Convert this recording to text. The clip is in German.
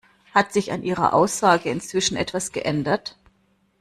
Hat sich an Ihrer Aussage inzwischen etwas geändert?